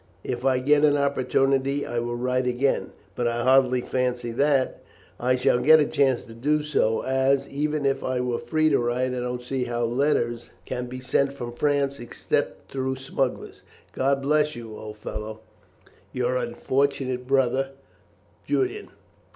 If I get an opportunity I will write again, but I hardly fancy that I shall get a chance to do so, as, even if I were free to write I don't see how letters can be sent from France except through smugglers. God bless you, old fellow. "Your unfortunate brother, "JULIAN."